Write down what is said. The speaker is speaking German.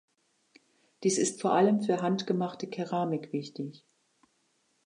Dies ist vor allem für handgemachte Keramik wichtig.